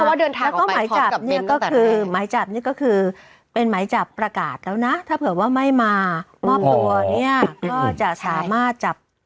แล้วก็หมายจับเนี่ยก็คือเป็นหมายจับประกาศแล้วนะถ้าเผื่อว่าไม่มามอบตัวเนี่ยก็จะสามารถจับ